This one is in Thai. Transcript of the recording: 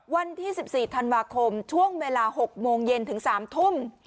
วันที่๑๔ธันวาคมช่วงเวลา๖โมงเย็นถึง๓ทุ่ม